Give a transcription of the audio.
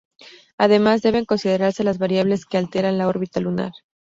Además, deben considerarse las variables que alteran la órbita lunar.